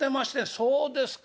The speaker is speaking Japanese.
そうですか。